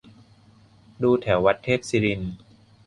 ดูแถววัดเทพศิรินทร์